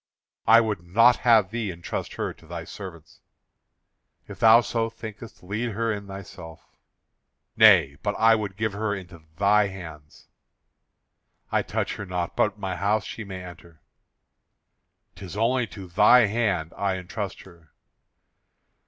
"I would not have thee entrust her to thy servants." "If thou so thinkest, lead her in thyself." "Nay, but I would give her into thy hands." "I touch her not, but my house she may enter." "'Tis only to thy hand I entrust her."